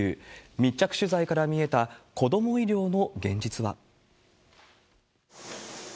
密着取材から見えた子ども医療の現実は。